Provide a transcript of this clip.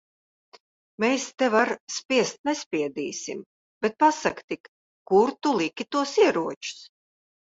Mēs tev ar spiest nespiedīsim. Bet pasaki tik, kur tu liki tos ieročus?